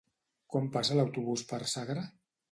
Quan passa l'autobús per Sagra?